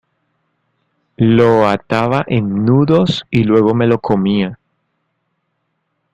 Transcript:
Lo ataba en nudos y luego me lo comía.